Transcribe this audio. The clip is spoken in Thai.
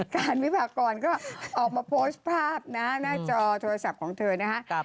การวิพากรก็ออกมาโพสต์ภาพนะหน้าจอโทรศัพท์ของเธอนะฮะ